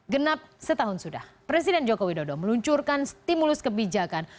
genap setahun sudah presiden joko widodo meluncurkan stimulus kebijakan